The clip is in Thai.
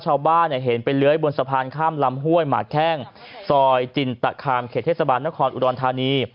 ชาวบ้านเห็นไปเลื้อยบนสะพานข้ามลำห้วยหมากแข้งซอยจินตคามเขตเทศบาลนครอุดรธานี